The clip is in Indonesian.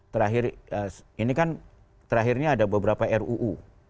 terakhir ini kan terakhirnya ada beberapa ruu